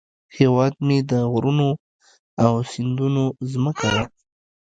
هیواد مې د غرونو او سیندونو زمکه ده